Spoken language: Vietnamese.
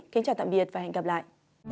xin chào và hẹn gặp lại